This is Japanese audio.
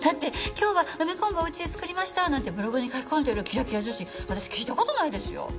「今日は梅昆布お家で作りました」なんてブログに書き込んでるキラキラ女子私聞いた事ないですよ！？